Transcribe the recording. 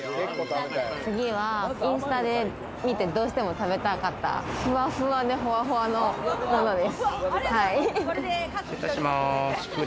次はインスタで見て、どうしても食べたかった、ふわふわでほわほわのものです。